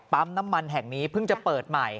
น้ำมันแห่งนี้เพิ่งจะเปิดใหม่